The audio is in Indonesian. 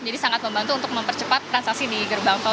jadi sangat membantu untuk mempercepat transaksi di gerbang tol